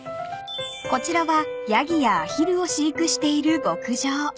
［こちらはヤギやアヒルを飼育している牧場］